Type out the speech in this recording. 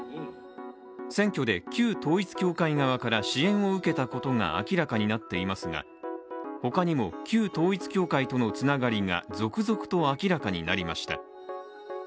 選挙で旧統一教会側から支援を受けたことが明らかになっていますが他にも、旧統一教会とのつながりが続々と明らかになりました。